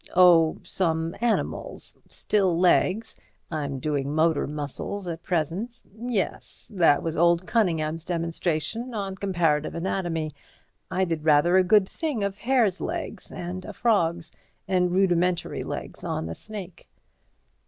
"Oh, some animals—still legs; I'm doing motor muscles at present. Yes. That was old Cunningham's demonstration on comparative anatomy. I did rather a good thing of a hare's legs and a frog's, and rudimentary legs on a snake."